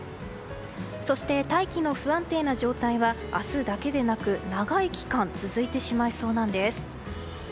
そして、大気の不安定な状態は明日だけでなく長い期間続いてしまいそうなんです。